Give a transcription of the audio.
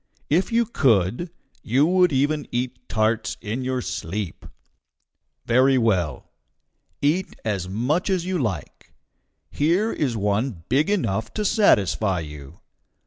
If you could, you would even eat tarts in your sleep. Very well. Eat as much as you like. Here is one big enough to satisfy you.